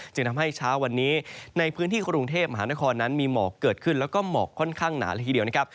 จึงทำให้เช้าวันนี้ในพื้นที่กรุงเทพมหานครนั้นมีหมอกเกิดขึ้นแล้วก็หมอกค่อนข้างหนาเลยทีเดียวนะครับ